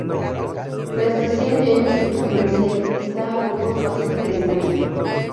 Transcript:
La estación James Mersey está a pocos pasos de distancia.